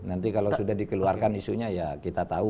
nanti kalau sudah dikeluarkan isunya ya kita tahu